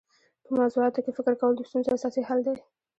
په موضوعاتو کي فکر کول د ستونزو اساسي حل دی.